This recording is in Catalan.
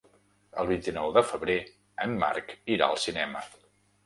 El vint-i-nou de febrer en Marc irà al cinema.